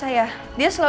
mau dibuat apa lagi